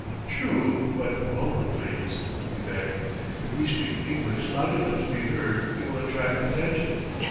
"True but lower, please!" he begged. "If we speak English loud enough to be heard it will attract attention....